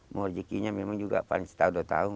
murjekinya memang juga paling setahun dua tahun